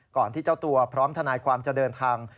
ที่เจ้าตัวพร้อมทนายความจะเดินทาง